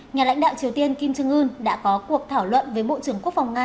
nhà lãnh đạo triều tiên kim trương ưn đã có cuộc thảo luận với bộ trưởng quốc phòng nga